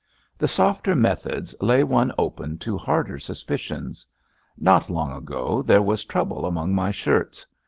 The softer methods lay one open to harder suspicions. Not long ago there was trouble among my shirts.